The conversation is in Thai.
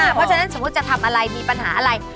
เพราะฉะนั้นสมมุติจะทำอะไรมีปัญหาอะไร